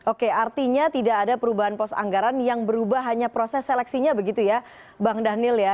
oke artinya tidak ada perubahan pos anggaran yang berubah hanya proses seleksinya begitu ya bang daniel ya